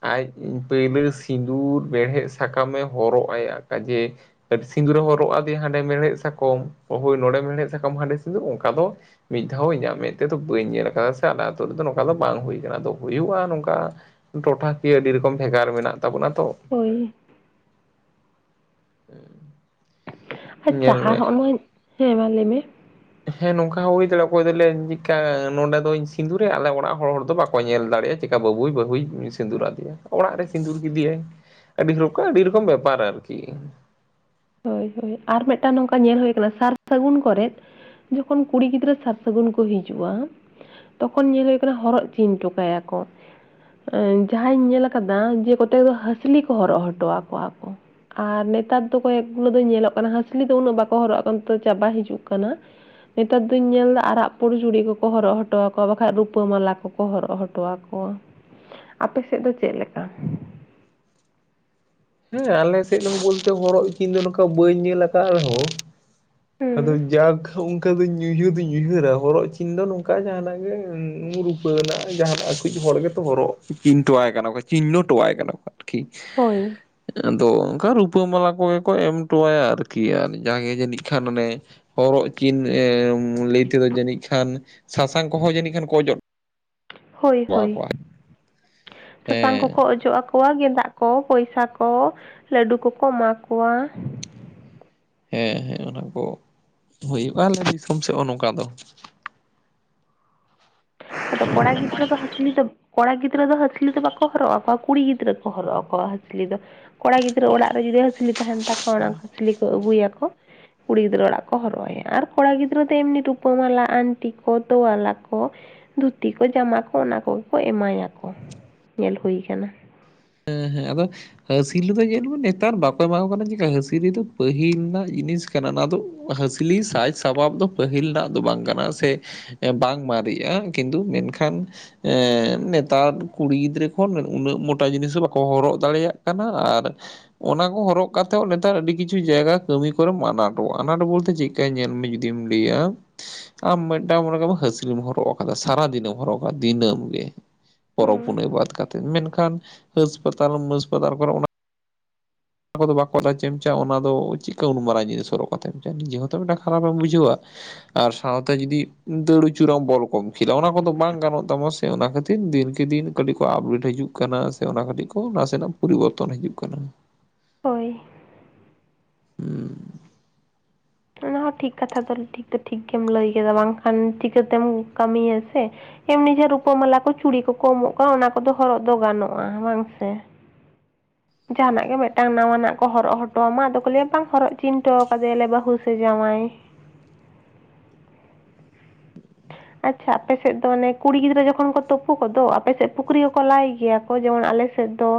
ᱟᱡ ᱯᱟᱹᱭᱞᱳ ᱥᱤᱸᱫᱩᱨ, ᱵᱮᱲᱦᱮᱫ ᱥᱟᱠᱟᱢᱮ ᱦᱚᱨᱚᱜ ᱟᱭᱟ, ᱠᱟᱡᱮ ᱥᱤᱸᱫᱩᱨ ᱨᱮᱦᱚᱸ ᱨᱚᱜ ᱟᱫᱮᱭᱟ ᱦᱟᱸᱰᱮ ᱢᱮᱲᱦᱮᱫ ᱥᱟᱠᱟᱠᱚᱢ, ᱦᱳᱭ ᱱᱚᱸᱰᱮ ᱢᱮᱲᱦᱮᱫ ᱥᱟᱠᱟᱢ ᱦᱟᱸᱰᱮ ᱥᱤᱸᱫᱩᱨ ᱚᱱᱠᱟ ᱫᱚ ᱢᱤᱫ ᱫᱷᱟᱣ ᱤᱧᱟᱹᱜ ᱢᱮᱫ ᱛᱮᱫᱚ ᱵᱟᱹᱧ ᱧᱮᱞ ᱠᱟᱫᱟ, ᱥᱮ ᱟᱞᱮ ᱟ ᱟᱹᱛᱩ ᱨᱮᱫᱚ ᱱᱚᱝᱠᱟ ᱫᱚ ᱵᱟᱝ ᱦᱳᱭ ᱠᱟᱱᱟ, ᱟᱫᱚ ᱦᱳᱭᱩᱜᱼᱟ ᱱᱚᱝᱠᱟ ᱴᱚᱴᱷᱟᱠᱤᱭᱟᱹ ᱟᱹᱰᱤ ᱨᱚᱠᱚᱢ, ᱵᱷᱮᱜᱟᱨ ᱢᱮᱱᱟᱜ ᱛᱟᱵᱚᱱᱟ ᱛᱚ᱾ ᱦᱳᱭ, [inaudible] [inaudible] ᱟᱪᱪᱷᱟ ᱧᱮᱞ ᱢᱮ ᱟᱨᱦᱚ, ᱱᱚᱣᱟ ᱦᱮᱸ ᱢᱟ ᱞᱟᱹᱭᱢᱮ? ᱦᱮᱸ ᱱᱚᱝᱠᱟ ᱦᱚᱸ ᱦᱳᱭ ᱫᱟᱲᱮᱼᱟ, ᱚᱠᱚᱭ ᱫᱚᱞᱮᱭᱟ ᱪᱮᱫᱠᱟ ᱱᱚᱸᱰᱮ ᱫᱚᱧ ᱥᱤᱸᱫᱩᱨ ᱟᱭᱟ, ᱟᱞᱮ ᱚᱲᱟᱜ ᱦᱚᱲ ᱫᱚ ᱵᱟᱠᱚ ᱠᱚ ᱧᱮᱞ ᱫᱟᱲᱮᱭᱟᱜᱼᱟ, ᱪᱮᱠᱟ ᱵᱟᱹᱵᱩᱭ ᱵᱟᱹᱦᱩᱭ ᱥᱤᱸᱫᱩᱨ ᱟᱫᱮᱭᱟ ᱚᱲᱟᱜ ᱨᱮ ᱥᱤᱸᱫᱩᱨ ᱠᱮᱫᱮᱭᱟᱭ᱾ ᱟᱹᱰᱤ [inaudible] ᱟᱹᱰᱤ ᱨᱚᱠᱚᱢ ᱵᱮᱯᱟᱨ ᱟᱨᱠᱤ᱾ ᱦᱳᱭ ᱦᱳᱭ ᱟᱨ ᱢᱤᱫᱴᱟᱝ ᱱᱚᱝᱠᱟ ᱧᱮᱞ ᱦᱳᱭ ᱟᱠᱟᱱᱟ ᱥᱟᱨ ᱥᱟᱹᱜᱩᱱ ᱠᱚᱨᱮ ᱡᱚᱠᱷᱚᱱ ᱠᱩᱲᱤ ᱜᱤᱫᱽᱨᱟᱹ ᱥᱟᱨ ᱥᱟᱹᱜᱩᱱ ᱠᱚ ᱦᱤᱡᱩᱜᱼᱟ᱾ ᱛᱚᱠᱷᱚᱱ ᱧᱮᱞ ᱦᱩᱭᱩᱜ ᱠᱟᱱᱟ ᱦᱚᱨᱚᱜ ᱪᱤᱱ ᱦᱚᱴᱚ ᱠᱟᱭᱟᱠᱚ᱾ ᱡᱟᱸᱦᱟᱸᱟᱧ ᱧᱮᱞ ᱟᱠᱟᱫᱟ ᱡᱮ ᱠᱚᱛᱮᱠ ᱫᱚ ᱦᱟᱹᱥᱞᱤ ᱠᱚ ᱦᱚᱨᱚᱜ ᱦᱚᱴᱚ ᱟᱠᱚᱣᱟ ᱠᱚ᱾ ᱟᱨ ᱱᱮᱛᱟᱨ ᱫᱚ ᱠᱚᱭᱮᱠ ᱜᱩᱞᱳ ᱫᱚ ᱧᱮᱞᱚᱜ ᱠᱟᱱᱟ ᱦᱟᱹᱥᱞᱤ ᱫᱚ ᱩᱱᱟᱹᱜ ᱵᱟᱠᱚ ᱦᱚᱨᱚᱜ ᱠᱟᱱ ᱪᱟᱵᱟ ᱦᱤᱡᱩᱜ ᱠᱟᱱᱟ᱾ ᱱᱮᱛᱟᱨ ᱫᱚᱧ ᱧᱮᱞ ᱮᱫᱟ ᱟᱨᱟᱜ ᱯᱩᱲ ᱡᱩᱲᱤ ᱠᱚᱠᱚ ᱦᱚᱨᱚᱜ ᱦᱚᱴᱚ ᱟᱠᱚᱣᱟ ᱵᱟᱠᱷᱟᱱ ᱨᱩᱯᱟᱹ ᱢᱟᱞᱟ ᱠᱚ᱾ ᱠᱚ ᱦᱚᱨᱚᱜ ᱦᱚᱴᱚ ᱟᱠᱚᱣᱟ, ᱟᱯᱮ ᱥᱮᱫ ᱫᱚ ᱪᱮᱫ ᱞᱮᱠᱟ? ᱦᱮᱸ ᱟᱞᱮ ᱥᱮᱫ ᱮᱢ ᱵᱚᱞᱛᱮ ᱦᱚᱨᱚᱜ ᱪᱤᱱ ᱫᱚ ᱱᱚᱝᱠᱟ ᱵᱟᱹᱧ ᱧᱮᱞ ᱟᱠᱟᱫ ᱨᱮᱦᱚᱸ ᱦᱩᱸ ᱟᱫᱚ ᱡᱟᱸᱠ [inaudible] ᱚᱱᱠᱟ ᱫᱚ ᱩᱭᱦᱟᱹᱨ ᱫᱩᱧ ᱩᱭᱦᱟᱹᱨᱟ ᱦᱚᱨᱚᱜ ᱪᱤᱱ ᱫᱚ ᱱᱚᱝᱠᱟ ᱡᱟᱦᱟᱱᱟᱜ ᱜᱮ ᱨᱩᱯᱟᱹᱱᱟᱜ ᱨᱮᱱᱟᱜ ᱡᱟᱦᱟᱱᱟᱜ ᱟᱠᱩᱭᱤᱡ ᱦᱚᱲᱜᱮ ᱦᱚᱨᱚ ᱪᱤᱱᱴᱚᱣᱟᱭ ᱠᱟᱱᱟ ᱠᱚ ᱪᱤᱱᱦᱚᱱ ᱦᱚᱴᱚᱣᱟᱭ ᱠᱟᱱᱟ ᱠᱚ ᱟᱨᱠᱤ᱾ ᱦᱳᱭ᱾ ᱟᱫᱚ ᱚᱱᱠᱟ ᱨᱩᱯᱟᱹ ᱢᱟᱞᱟ ᱠᱚᱜᱮ ᱠᱚ ᱮᱢ ᱦᱚᱴᱚᱣᱟᱭᱟ ᱟᱨᱠᱤ ᱡᱟᱜᱮ ᱡᱟᱹᱱᱤᱡ ᱠᱷᱟᱱ ᱚᱱᱮ ᱦᱚᱨᱚᱜ ᱪᱤᱱ ᱞᱟᱹᱭ ᱛᱮᱫᱚ ᱡᱟᱹᱱᱤᱡ ᱠᱷᱟᱱ ᱥᱟᱥᱟᱝ ᱠᱚᱦᱚᱸ ᱡᱟᱹᱱᱤᱡ ᱠᱷᱟᱱ ᱠᱚ ᱚᱡᱚᱜ ᱦᱳᱭ ᱦᱚᱴᱚ ᱦᱳᱭ, ᱟᱠᱚᱣᱟ ᱥᱟᱥᱟᱝ ᱦᱮᱸ ᱠᱚᱠᱚ ᱚᱡᱚᱜ ᱟᱠᱚ ᱠᱚᱣᱟ ᱜᱮᱸᱫᱟᱜ ᱠᱚ, ᱯᱚᱭᱥᱟ ᱠᱚ, ᱞᱟᱹᱰᱩ ᱠᱚ ᱠᱚ ᱮᱢᱟ ᱠᱚᱣᱟ᱾ ᱦᱮᱸ ᱦᱮᱸ ᱚᱱᱟ ᱠᱚ ᱦᱩᱭᱩᱜᱼᱟ ᱟᱞᱮ ᱫᱤᱥᱚᱢ ᱥᱮᱫ ᱦᱚᱸ ᱱᱚᱝᱠᱟ ᱫᱚ᱾ ᱟᱫᱚ ᱠᱚᱲᱟ ᱜᱤᱫᱽᱨᱟᱹ ᱫᱚ ᱦᱟᱥᱞᱤ ᱫᱚ ᱠᱚᱲᱟ ᱜᱤᱫᱽᱨᱟᱹ ᱫᱚ ᱦᱟᱹᱥᱞᱤ ᱫᱚ ᱵᱟᱠᱚ ᱦᱚᱨᱚᱜᱼᱟ ᱟᱠᱚᱣᱟ ᱠᱩᱲᱤ ᱜᱤᱫᱽᱨᱟᱹ ᱠᱚ ᱦᱚᱨᱚᱜ ᱟᱠᱚᱣᱟ ᱦᱟᱹᱥᱞᱤ ᱫᱚ᱾ ᱠᱚᱲᱟ ᱜᱤᱫᱽᱨᱟᱹ ᱚᱲᱟᱜ ᱨᱮ ᱡᱩᱫᱤ ᱦᱟᱹᱥᱞᱤ ᱛᱟᱦᱮᱱ ᱛᱟᱠᱚᱣᱟ ᱚᱱᱟ ᱦᱟᱹᱥᱞᱤ ᱠᱚ ᱟᱹᱜᱩᱭ ᱟᱠᱚ᱾ ᱠᱩᱲᱤ ᱜᱤᱫᱽᱨᱟᱹ ᱚᱲᱟᱜ ᱠᱚ ᱦᱚᱨᱚᱜᱟᱭᱟ ᱟᱨ ᱠᱚᱲᱟ ᱜᱤᱫᱽᱨᱟᱹ ᱫᱚ ᱮᱢᱱᱤ ᱨᱩᱯᱟᱹᱢᱟᱞᱟ, ᱟᱱᱴᱤ ᱠᱚ, ᱛᱚᱣᱟᱞᱟ ᱠᱚ ᱫᱷᱩᱛᱤ ᱠᱚ, ᱡᱟᱢᱟ ᱠᱚ ᱚᱱᱟ ᱠᱚᱜᱮ ᱠᱚ ᱮᱢᱟᱭᱟᱠᱚ ᱧᱮᱞ ᱦᱩᱭ ᱟᱠᱟᱱᱟ᱾ ᱦᱮᱸ ᱦᱮᱸ ᱟᱫᱚ᱾ ᱦᱟᱹᱥᱤᱞᱤ ᱫᱚ ᱧᱮᱞ ᱵᱚᱱ ᱱᱮᱛᱟᱨ ᱵᱟᱠᱚ ᱮᱢᱟ ᱠᱚ ᱠᱟᱱᱟ ᱪᱮᱠᱟ ᱦᱟᱹᱥᱤᱞᱤ ᱫᱚ ᱯᱟᱹᱦᱤᱞ ᱨᱮᱱᱟᱜ ᱡᱤᱱᱤᱥ ᱠᱟᱱᱟ ᱚᱱᱟ ᱫᱚ ᱦᱟᱹᱥᱞᱤ ᱥᱟᱡᱽ ᱥᱟᱯᱟᱵ ᱫᱚ ᱯᱟᱹᱦᱤᱞ ᱨᱮᱱᱟᱜ ᱫᱚ ᱵᱟᱝ ᱠᱟᱱᱟ ᱥᱮ ᱵᱟᱝ ᱢᱟᱨᱤᱜᱼᱟ ᱠᱤᱱᱛᱩ ᱢᱮᱱᱠᱷᱟᱱ ᱮᱸ ᱱᱮᱛᱟᱨ ᱠᱩᱲᱤ ᱜᱤᱫᱽᱨᱟᱹ ᱠᱷᱚᱱ ᱩᱱᱟᱹᱜ ᱢᱚ ᱴᱟ ᱡᱤᱱᱤᱥ ᱦᱚᱸ ᱵᱟᱠᱚ ᱦᱚᱨᱚᱜ ᱫᱟᱲᱮᱭᱟᱜ ᱠᱟᱱᱟ ᱟᱨ ᱚᱱᱟ ᱠᱚ ᱦᱚᱨᱚᱜ ᱠᱟᱛᱮᱫ ᱱᱮᱛᱟᱨ ᱟᱹᱰᱤ ᱠᱤᱪᱷᱩ ᱡᱟᱭᱜᱟ ᱠᱟᱹᱢᱤ ᱠᱚᱨᱮᱢ ᱟᱱᱟᱴᱚᱜᱼᱟ, ᱟᱱᱟᱴ ᱵᱚᱞᱛᱮ ᱪᱮᱜ [inaudible] ᱧᱮᱞ ᱢᱮ ᱡᱩᱫᱤᱢ ᱞᱟᱹᱭᱟ ᱟᱢ ᱢᱮᱫᱴᱟᱝ ᱢᱚᱱᱮ ᱠᱟᱜ ᱢᱮ ᱦᱟᱸᱥᱞᱤᱢ ᱦᱚᱨᱚᱜ ᱠᱟᱫᱟ ᱥᱟᱨᱟᱫᱤᱱᱮᱢ ᱦᱚᱨᱚᱜᱟ ᱫᱤᱱᱟᱹᱢ ᱜᱮ ᱯᱚᱨᱚᱵᱽ ᱯᱩᱱᱟᱹᱭ ᱵᱟᱫᱽ ᱠᱟᱛᱮᱫ ᱢᱮᱱᱠᱷᱟᱱ ᱦᱟᱹᱥᱯᱟᱛᱟᱞ ᱢᱟᱹᱥᱯᱟᱛᱟᱞ ᱠᱚᱨᱮ ᱚᱱᱟ ᱟᱠᱚ ᱫᱚ ᱵᱟᱠᱚ [inaudible] ᱚᱱᱟ ᱫᱚ ᱪᱮᱜᱠᱟ ᱩᱱᱢᱟᱝ ᱡᱤᱱᱤᱥ ᱦᱚᱨᱚᱜ ᱠᱟᱛᱮᱢ ᱪᱟᱜᱼᱟ, ᱱᱤᱡᱮ ᱦᱚᱸᱛᱚ ᱢᱮᱫᱴᱟᱜ ᱠᱷᱟᱨᱟᱯ ᱮᱢ ᱵᱩᱡᱷᱟᱹᱣᱟ᱾ ᱟᱨ ᱥᱟᱶᱛᱮ ᱡᱩᱫᱤ ᱫᱟᱹᱲ ᱩᱪᱩᱨᱟᱢ ᱵᱚᱞ ᱠᱚᱢ ᱠᱷᱮᱞᱟ ᱚᱱᱟ ᱠᱚᱫᱚ ᱵᱟᱝ ᱜᱟᱱᱚᱜ ᱛᱟᱢᱟ ᱥᱮ᱾ ᱮ ᱚᱱᱟ ᱠᱷᱟᱹᱛᱤᱨ ᱫᱤᱱᱠᱮ ᱫᱤᱱ ᱠᱟᱹᱴᱤᱡ ᱠᱚ ᱟᱯᱰᱮᱴ ᱦᱤᱡᱩᱜ ᱠᱟᱱᱟ᱾ ᱚᱱᱟ ᱠᱟᱹᱴᱤᱡ ᱠᱚ ᱱᱟᱥᱮᱱᱟᱜ ᱯᱚᱨᱤᱵᱚᱨᱛᱚᱱ ᱦᱤᱡᱩᱜ ᱠᱟᱱᱟ᱾ ᱦᱳᱭ᱾ [inaudible] ᱚᱱᱟ ᱦᱚᱸ ᱴᱷᱤᱠ ᱠᱟᱛᱷᱟ ᱫᱚ ᱴᱷᱤᱠ ᱫᱚ ᱴᱷᱤᱠ ᱜᱮᱢ ᱞᱟᱹᱭ ᱠᱟᱫᱟ ᱵᱟᱝᱠᱷᱟᱱ ᱪᱤᱠᱟᱹᱛᱮᱢ ᱠᱟᱹᱢᱤᱭᱟ ᱥᱮ᱾ ᱮᱢᱱᱤ ᱡᱮ ᱨᱩᱯᱟᱹ ᱢᱟᱞᱟ ᱠᱚ ᱪᱩᱲᱤ ᱠᱚᱠᱚ ᱮᱢᱚᱜ ᱠᱟᱱᱟ ᱚᱱᱟ ᱠᱚᱫᱚ ᱦᱚᱨᱚᱜ ᱫᱚ ᱜᱟᱱᱚᱜᱼᱟ ᱵᱟᱝ ᱥᱮ᱾ ᱡᱟᱸᱦᱟᱱᱟᱜ ᱜᱮ ᱢᱮᱫᱴᱟᱝ ᱱᱟᱣᱟᱱᱟᱜ ᱠᱚ ᱦᱚᱨᱚᱜ ᱦᱚᱴᱚᱣᱟᱢᱟ ᱟᱫᱚ ᱠᱚ ᱞᱟᱹᱭᱟ ᱵᱟᱝ ᱦᱚᱨᱚᱜ ᱪᱤᱱ ᱦᱚᱴᱚ ᱠᱟᱫᱮᱭᱟᱞᱮ ᱵᱟᱹᱦᱩ ᱥᱮ ᱡᱟᱸᱶᱟᱭ᱾ ᱟᱪᱪᱷᱟ ᱟᱯᱮ ᱥᱮᱫ ᱫᱚ ᱚᱱᱮ ᱠᱩᱲᱤ ᱜᱤᱫᱽᱨᱟᱹ ᱡᱚᱠᱷᱚᱱ ᱠᱚ ᱛᱳᱯᱳ ᱠᱚᱫᱚ ᱟᱯᱮ ᱥᱮᱫ ᱯᱩᱠᱷᱨᱤ ᱠᱚᱠᱚ ᱞᱟᱭ ᱜᱮᱭᱟ ᱠᱚ ᱡᱮᱢᱚᱱ ᱟᱞᱮ ᱥᱮᱫ ᱫᱚ